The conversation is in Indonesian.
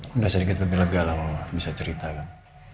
sudah sedikit lebih lega lah mama bisa cerita kan